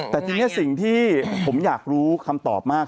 แต่ทีนี้สิ่งที่ผมอยากรู้คำตอบมาก